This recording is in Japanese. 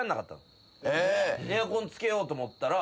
エアコンつけようと思ったら。